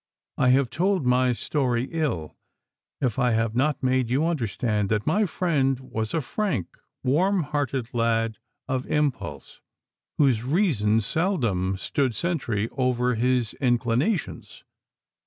I have told my story ill if I have not made you understand that my friend was a frank, warm hearted lad of impulse, whose reason seldom stood sentry over his inclinations.